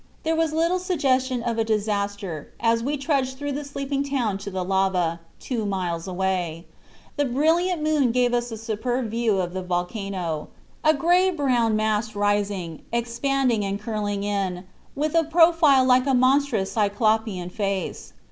There was little suggestion of a disaster as we trudged through the sleeping town to the lava, two miles away. The brilliant moon gave us a superb view of the volcano, a gray brown mass rising, expanding and curling in with a profile like a monstrous cyclopean face.